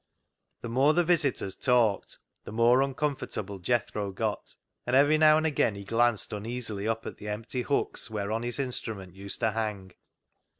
The more the visitors talked the more un comfortable Jethro got, and every now and again he glanced uneasily up at the empty hooks whereon his instrument used to hang.